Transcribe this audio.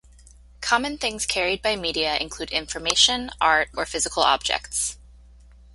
Common things carried by media include information, art, or physical objects.